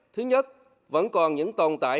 thứ nhất vẫn còn những tồn tại